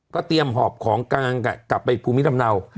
เตรียมหอบของกลางกลับไปภูมิลำเนา